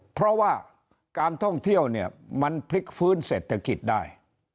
เพราะว่าการท่องเที่ยวเนี่ยมันพลิกฟื้นเศรษฐกิจได้